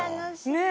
ねえ。